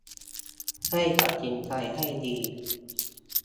ให้ตัดสินใจให้ดี